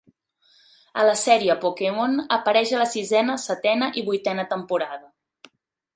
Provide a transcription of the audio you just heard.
A la sèrie Pokémon apareix a la sisena, setena i vuitena temporada.